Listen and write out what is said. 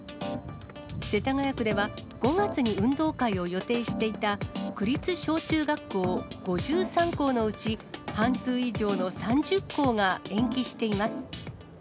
世田谷区では５月に運動会を予定していた、区立小中学校５３校のうち、半数以上の３０校が延期しています。